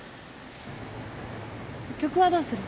曲はどうする？